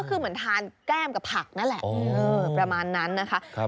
ก็คือเหมือนทานแก้มกับผักนั่นแหละประมาณนั้นนะคะ